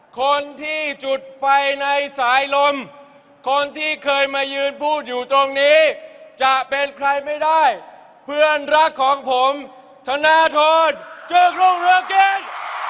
คนที่จุดไฟในสายลมคนที่เคยมายืนพูดอยู่ตรงนี้จะเป็นใครไม่ได้เพื่อนรักของผมธนทรจึงรุ่งเรือเก่ง